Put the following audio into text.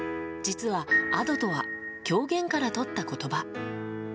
実はＡｄｏとは狂言からとった言葉。